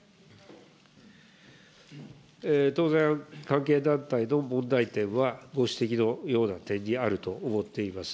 当然、関係団体の問題点はご指摘のような点にあると思っています。